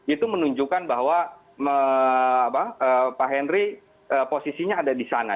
itu menunjukkan bahwa pak henry posisinya ada di sana